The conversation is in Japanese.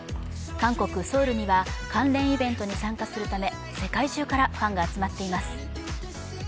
韓国ソウルには関連イベントに参加するため世界中からファンが集まっています。